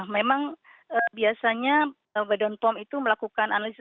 memang biasanya bapak don pomp itu melakukan analisis